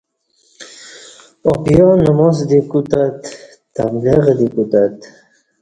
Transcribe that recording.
آپیا نماز دی کوتت تبلیغ دی کوتت